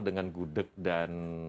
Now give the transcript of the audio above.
dengan gudeg dan